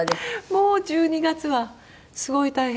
もう１２月はすごい大変でしたね。